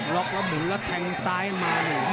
ล็อกแล้วหมุนแล้วแทงซ้ายมา